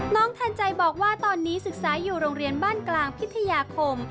ทันใจบอกว่าตอนนี้ศึกษาอยู่โรงเรียนบ้านกลางพิทยาคม